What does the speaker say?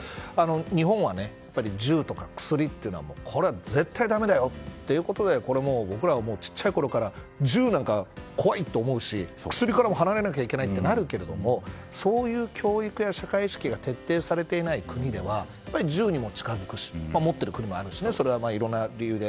日本は銃とか薬というのはこれは絶対だめだよってことで僕らは小さいころから銃なんか怖いと思うし薬からも離れないといけないとなるけれども、そういう教育や社会意識が徹底されていない国では銃にも近づくし持っている国もあるしそれはいろんな理由で。